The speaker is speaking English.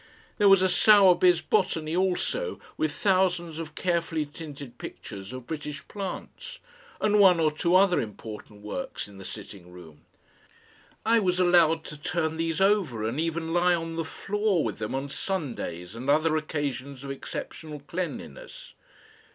There was a Sowerby's BOTANY also, with thousands of carefully tinted pictures of British plants, and one or two other important works in the sitting room. I was allowed to turn these over and even lie on the floor with them on Sundays and other occasions of exceptional cleanliness.